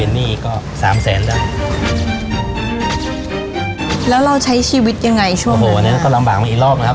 หนี้ก็สามแสนแล้วแล้วเราใช้ชีวิตยังไงช่วงโอ้โหเนี้ยก็ลำบากมาอีกรอบนะครับ